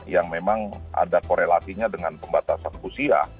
yang memang ada korelasinya dengan pembatasan usia